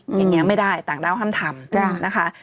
อย่างนี้ไม่ได้ต่างด้าวห้ามทำนะคะ